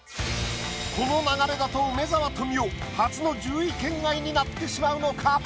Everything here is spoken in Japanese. この流れだと梅沢富美男初の１０位圏外になってしまうのか？